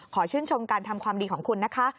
ชื่นชมการทำความดีของคุณนะคะ